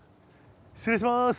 失礼します。